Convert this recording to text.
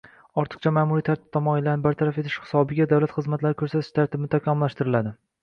ortiqcha ma’muriy tartib-taomillarni bartaraf etish hisobiga davlat xizmatlari ko’rsatish tartibini takomillashtiriladi.